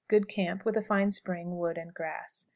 Good camp, with a fine spring, wood, and grass.